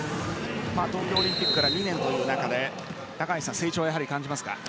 東京オリンピックから２年という中で成長を感じますか？